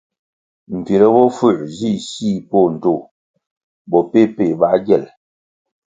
Mbvire bofuē nzih sih poh ndtoh bo peh-peh bā gyel.